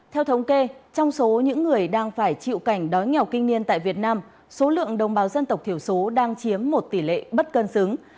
theo thống kê trong số những người đang phải chịu cảnh đói nghèo kinh niên tại việt nam số lượng đồng bào dân tộc thiểu số đang chiếm một tỷ lệ bất cân xứng